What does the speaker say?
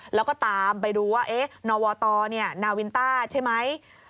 แล้วก็ตามไปดูว่านวตนาวินต้าใช่ไหม